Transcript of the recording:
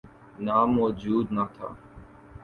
نام موجود نہ تھا۔